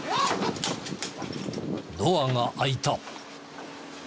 ドアが開いた。